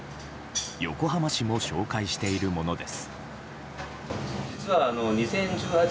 横浜市も紹介しているものです。